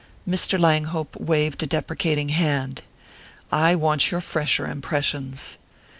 Mr. Langhope waved a deprecating hand. "I want your fresher impressions."